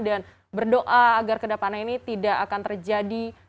dan berdoa agar kedepannya ini tidak akan terjadi